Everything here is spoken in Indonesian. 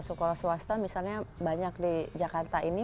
sekolah swasta misalnya banyak di jakarta ini